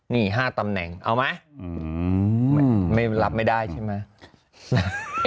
นี่๕ตำแหน่งเอาไหมไม่รับไม่ได้ใช่ไหม